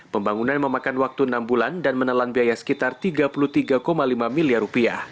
pembangunan memakan waktu enam bulan dan menelan biaya sekitar rp tiga puluh tiga lima miliar